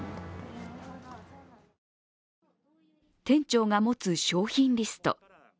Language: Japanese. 店長が持つ商品リスト。